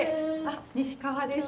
西川です。